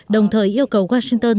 đồng thời yêu cầu washington